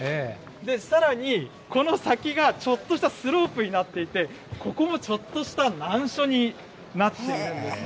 さらに、この先がちょっとしたスロープになっていて、ここもちょっとした難所になっているんですね。